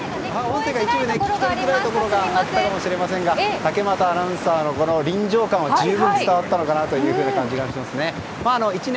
音声が一部聞き取りづらいところがあったかもしれませんが竹俣アナウンサー、臨場感十分伝わったのかなという感じがしますね。